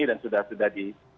dan sudah sudah di